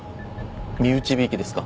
身内びいきですか？